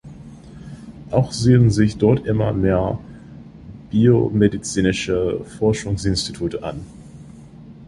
Auch siedeln sich dort immer mehr biomedizinische Forschungsinstitute an.